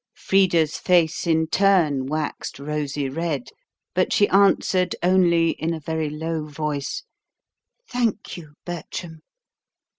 Frida's face in turn waxed rosy red; but she answered only in a very low voice: "Thank you, Bertram."